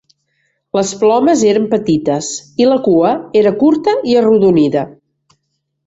Les plomes eren petites i la cua era curta i arrodonida.